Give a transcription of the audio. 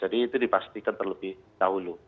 jadi itu dipastikan terlebih dahulu